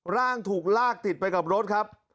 ร่างถูกลากติดไปกับรถครับ